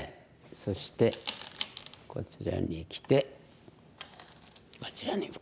そしてこちらにきてこちらに受ける。